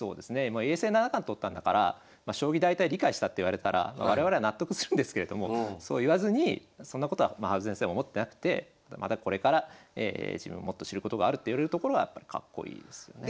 もう永世七冠取ったんだから将棋大体理解したって言われたら我々は納得するんですけれどもそう言わずにそんなことは羽生先生も思ってなくてまだこれから自分もっと知ることがあるって言えるところがやっぱりかっこいいですよね。